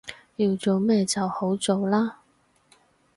要做咩就好做喇